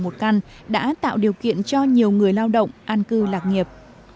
một căn đã tạo điều kiện cho nhiều người lao động an cư lạc nghiệp